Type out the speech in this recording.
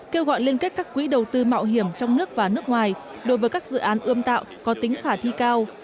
kêu gọi liên kết các quỹ đầu tư mạo hiểm trong nước và nước ngoài đối với các dự án ươm tạo có tính khả thi cao